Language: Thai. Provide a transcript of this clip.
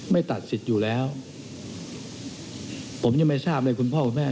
ตัดสิทธิ์อยู่แล้วผมยังไม่ทราบเลยคุณพ่อคุณแม่